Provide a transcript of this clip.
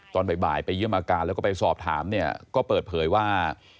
ตอนบ่ายไปเยี่ยมอาการแล้วก็ไปสอบถามเนี่ยก็เปิดเผยว่า